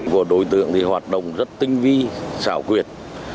của đối tượng thì hoạt động rất tinh vi xảo quyệt